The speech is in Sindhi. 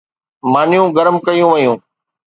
مانيون گرم ڪيون ويون